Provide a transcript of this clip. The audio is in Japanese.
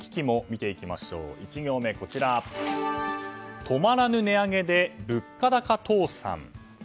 見ていきましょう、１行目は止まらぬ値上げで物価高倒産。